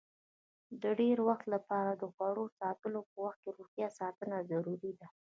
د ډېر وخت لپاره د خوړو ساتلو په وخت روغتیا ساتنه ضروري ده.